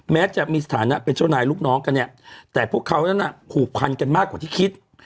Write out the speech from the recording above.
แม้จะมีสถานะเป็นเจ้านายลูกน้องกันเนี่ยแต่พวกเขานั้นน่ะผูกพันกันมากกว่าที่คิด